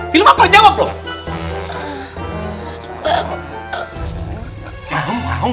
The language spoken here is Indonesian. film apa jawab loh